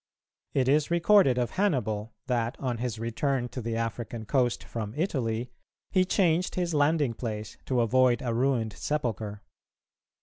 It is recorded of Hannibal that, on his return to the African coast from Italy, he changed his landing place to avoid a ruined sepulchre.